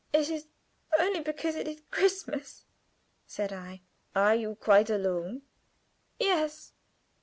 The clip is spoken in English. "It is only because it is Christmas," said I. "Are you quite alone?" "Yes."